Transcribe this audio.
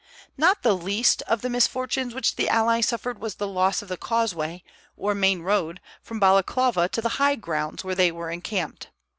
Not the least of the misfortunes which the allies suffered was the loss of the causeway, or main road, from Balaklava to the high grounds where they were encamped.